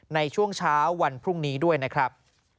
ในช่วงเช้าวันพรุ่งนี้ด้วยนะครับ